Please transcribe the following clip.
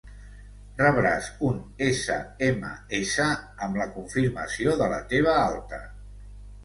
Rebràs un essa ema essa amb la confirmació de la teva alta.